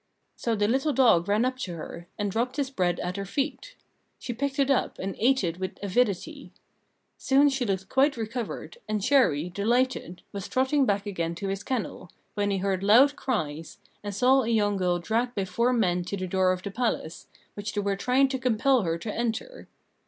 So the little dog ran up to her, and dropped his bread at her feet; she picked it up, and ate it with avidity. Soon she looked quite recovered, and Chéri, delighted, was trotting back again to his kennel, when he heard loud cries, and saw a young girl dragged by four men to the door of the palace, which they were trying to compel her to enter.